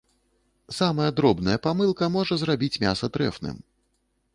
Самая дробная памылка можа зрабіць мяса трэфным.